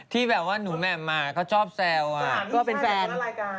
ที่แบบว่าหนูแม่มมาก็ชอบแซวอ่าน